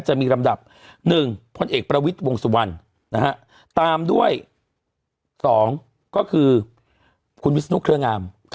จะมีลำดับ๑พลเอกประวิทย์วงสุวรรณตามด้วย๒ก็คือคุณวิศนุเครืองาม